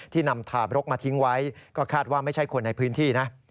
นำทาบรกมาทิ้งไว้ก็คาดว่าไม่ใช่คนในพื้นที่นะ